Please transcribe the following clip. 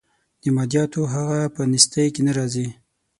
د مادیاتو هغه په نیستۍ کې نه راځي.